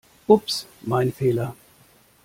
Ups, mein Fehler!